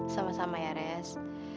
sama sama ya res